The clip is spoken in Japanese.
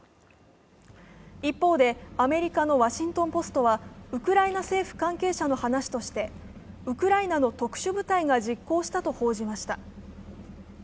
一方で、アメリカの「ワシントン・ポスト」はウクライナ政府関係者の話としてウクライナの特殊部隊が実行したと報じました。